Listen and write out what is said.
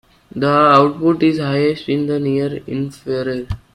The output is highest in the near infrared.